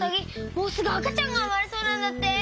もうすぐあかちゃんがうまれそうなんだって。